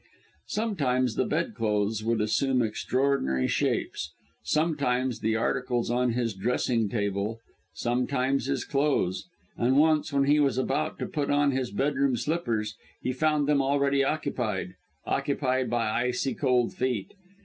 Sometimes the bedclothes would assume extraordinary shapes; sometimes the articles on his dressing table; sometimes his clothes; and once, when he was about to put on his bedroom slippers, he found them already occupied occupied by icy cold feet.